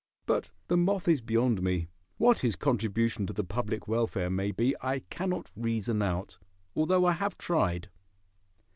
But the moth is beyond me. What his contribution to the public welfare may be I cannot reason out, although I have tried."